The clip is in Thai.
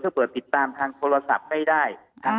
ถ้าเปิดติดตามทางโทรศัพท์ได้